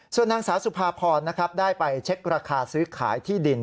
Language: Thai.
ส่วนนางสาวสุภาพรได้ไปเช็คราคาซื้อขายที่ดิน